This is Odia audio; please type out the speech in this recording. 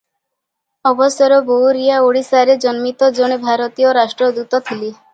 ଅବସର ବେଉରିଆ ଓଡ଼ିଶାରେ ଜନ୍ମିତ ଜଣେ ଭାରତୀୟ ରାଷ୍ଟ୍ରଦୂତ ଥିଲେ ।